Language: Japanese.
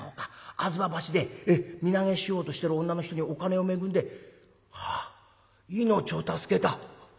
吾妻橋で身投げしようとしてる女の人にお金を恵んでああ命を助けた。